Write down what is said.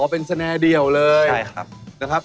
อ๋อเป็นแสน่าเดี่ยวเลยครับใช่ครับนะครับ